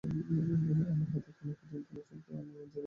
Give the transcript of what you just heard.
আমার হাতের কনুই, পায়ে চুলকায় আর জায়গাটা সাদা কালো দাগ হয়ে গিয়েছে।